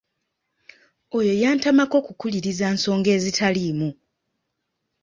Oyo yantamako kukuliriza nsonga ezitaliimu.